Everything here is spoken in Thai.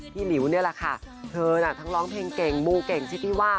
หลิวนี่แหละค่ะเธอน่ะทั้งร้องเพลงเก่งมูเก่งชิดที่ว่า